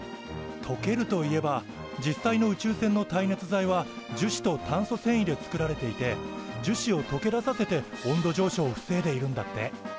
とけるといえば実際の宇宙船の耐熱材は樹脂と炭素繊維で作られていて樹脂をとけ出させて温度上昇を防いでいるんだって。